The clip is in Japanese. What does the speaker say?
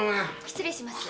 失礼します。